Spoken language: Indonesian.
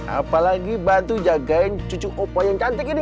apalagi bantu jagain cucu opo yang cantik ini